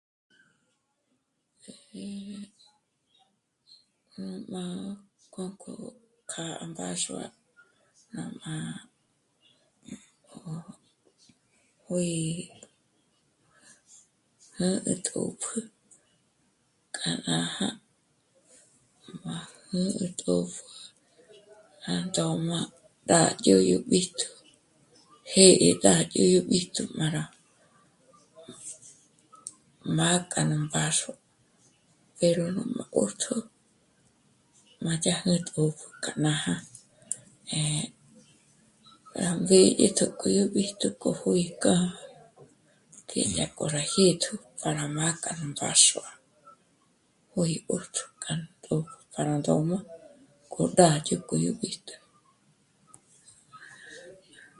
À jñíñi nú má k'o, k'o kja mbáxua nà má... 'ó juí'i 'ë̀'ë tòpjü k'a nája má jñí'i tópjü rá ndóm'a rá dyä́dyä b'íjtu jë̀'ë gá dyä̌'ä yó b'íjtu má rá mâ'a k'a nú mbáxua pero nú má 'ṓjtjō máj dyá nú tòpjü k'a nája. Eh... rá mbédyetjo k'o yó b'íjtu k'o juí'i k'a, k'e dyá jó k'o rá jyêtjo para mâ'a k'a nú mbáxua, 'ó rí 'ṓjtjō k'a nú k'ò'o para ndóm'a k'o rá dyó'o k'o yó b'ítju